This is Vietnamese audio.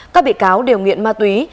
các bị cáo đều nghiện ma túy